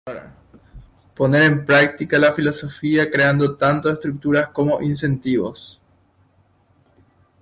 Poner en práctica la filosofía creando tanto estructuras como incentivos.